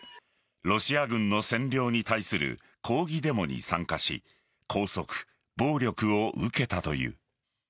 ロシア軍の占領に対する抗議デモに参加し拘束、暴力を受けたという。